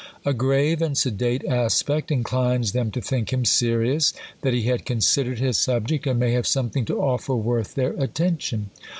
A grave and sedate aspect inclines them to think him serious ; that he had considered his sub ject, and may kave something to offer worth their at tention.